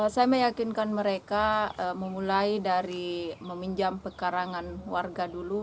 saya meyakinkan mereka memulai dari meminjam pekarangan warga dulu